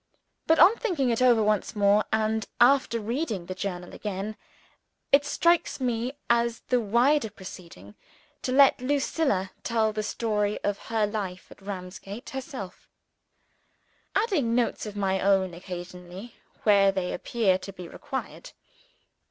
But on thinking over it once more, and after reading the Journal again, it strikes me as the wiser proceeding to let Lucilla tell the story of her life at Ramsgate, herself: adding notes of my own occasionally, where they appear to be required.